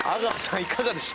いかがでした？